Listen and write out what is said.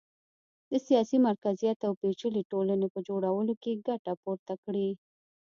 د سیاسي مرکزیت او پېچلې ټولنې په جوړولو کې ګټه پورته کړي